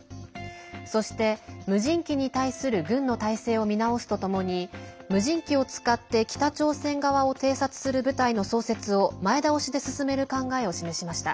そして、無人機に対する軍の態勢を見直すとともに無人機を使って北朝鮮側を偵察する部隊の創設を前倒しで進める考えを示しました。